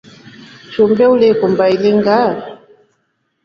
Shumbi ulikumba ilinga ?